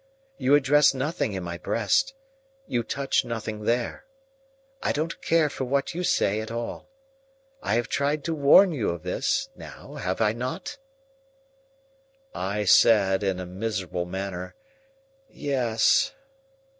You address nothing in my breast, you touch nothing there. I don't care for what you say at all. I have tried to warn you of this; now, have I not?" I said in a miserable manner, "Yes."